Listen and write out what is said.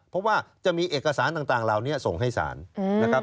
เพราะว่าจะมีเอกสารต่างเหล่านี้ส่งให้ศาลนะครับ